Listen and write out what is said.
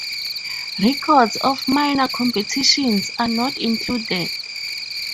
Records of minor competitions are not included.